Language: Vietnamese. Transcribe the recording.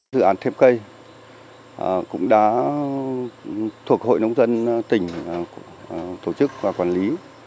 dự án thêm cây cũng đã thuộc hội nông dân tỉnh tổ chức và quản lý